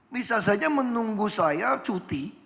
bisa saja menunggu saya cuti